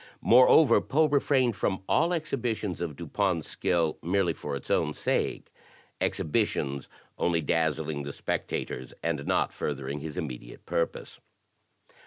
Moreover, Poe refrained from all exhibi / tions of Dupin's skill merely for its own sake — exhibitions/ only dazzling the spectators and not furthering his immedi ate purpose."